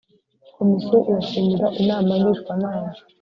komisiyo irashimira inama ngishwanama